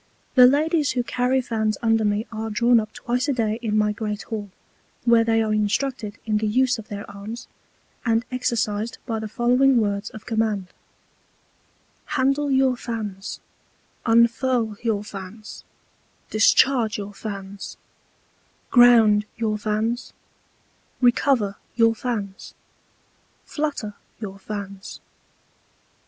The Ladies who carry Fans under me are drawn up twice a day in my great Hall, where they are instructed in the Use of their Arms, and exercised by the following Words of Command, Handle your Fans, Unfurl your Fans, Discharge your Fans, Ground your Fans, Recover your Fans, Flutter your Fans.